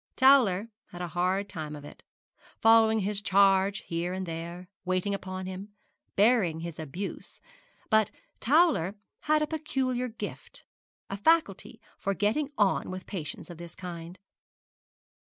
Towler had a hard time of it, following his charge here and there, waiting upon him, bearing his abuse; but Towler had a peculiar gift, a faculty for getting on with patients of this kind.